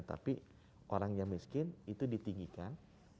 tapi orang yang miskin itu ditinggikan